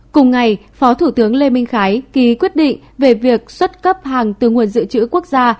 cùng ngày phó thủ tướng lê minh khái ký quyết định về việc xuất cấp hàng từ nguồn dự trữ quốc gia